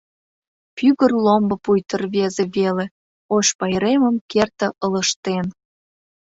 Пӱгыр ломбо пуйто рвезе веле — Ош пайремым керте ылыжтен.